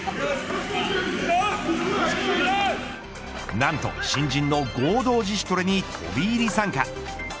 何と，新人の合同自主トレに飛び入り参加。